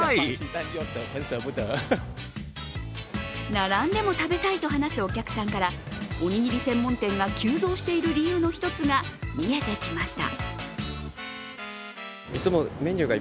並んでも食べたいと話すお客さんからおにぎり専門店が急増している理由の１つが見えてきました。